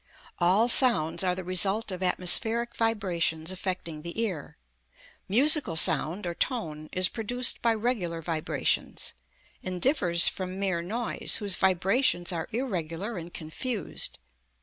All sounds are the result of atmospheric vibrations affecting the ear. Musical sound, or tone, is produced by regular vibrations, and differs from mere noise whose vibrations are irregular and confused.